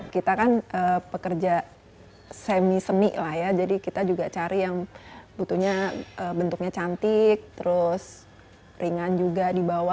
kita kan pekerja semi seni lah ya jadi kita juga cari yang butuhnya bentuknya cantik terus ringan juga dibawa